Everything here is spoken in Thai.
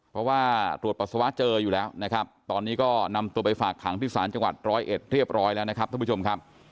เพราะว่าตรวจปัสสาวะเจออยู่แล้วนะครับตอนนี้ก็นำตัวไปฝากขังที่ศาลจังหวัดร้อยเอ็ดเรียบร้อยแล้วนะครับท่านผู้ชมครับ